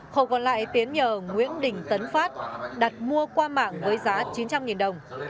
khẩu còn lại tiến nhờ nguyễn đình tấn phát đặt mua qua mạng với giá chín trăm linh đồng